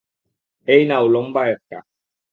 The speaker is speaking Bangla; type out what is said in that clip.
এই নাও লম্বা একটা।